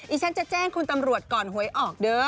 ฉันจะแจ้งคุณตำรวจก่อนหวยออกเด้อ